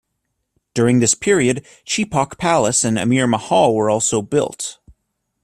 During this period, Chepauk Palace and Amir Mahal were also built.